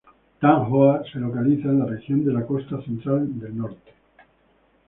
Thanh Hoa se localiza en la región de la Costa Central del Norte.